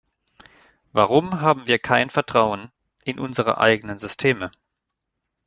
Warum haben wir kein Vertrauen in unsere eigenen Systeme?